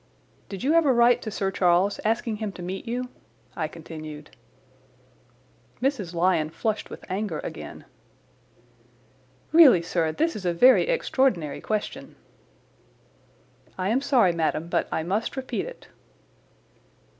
"Did you ever write to Sir Charles asking him to meet you?" I continued. Mrs. Lyons flushed with anger again. "Really, sir, this is a very extraordinary question." "I am sorry, madam, but I must repeat it."